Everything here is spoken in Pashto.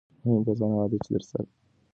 مهم کسان هغه دي چې درسره صادق وي.